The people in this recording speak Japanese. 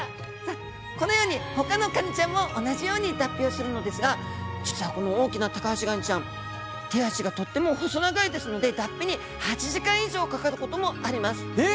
このように他のカニちゃんも同じように脱皮をするのですが実はこの大きなタカアシガニちゃん手足がとっても細長いですので脱皮に８時間以上かかることもあります。え！